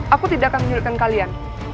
aku tidak akan menyulitkan kalian